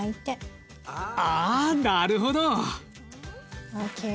ああなるほど！ＯＫ。